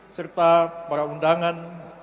serta para undangan